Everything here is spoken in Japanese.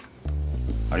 あれ？